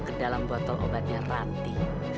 kedalam botol obatnya ranti